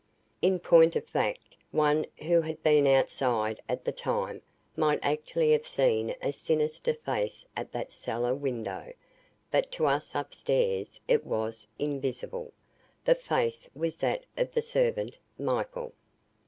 In point of fact, one who had been outside at the time might actually have seen a sinister face at that cellar window, but to us upstairs it was invisible. The face was that of the servant, Michael.